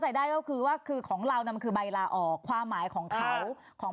ที่ว่าหนูไฟลใจการเป็นพนักงานนะพี่